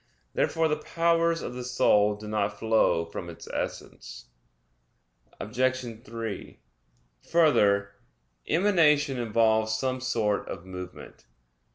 Therefore the powers of the soul do not flow from its essence. Obj. 3: Further, emanation involves some sort of movement.